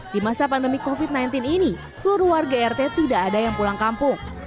di masa pandemi covid sembilan belas ini seluruh warga rt tidak ada yang pulang kampung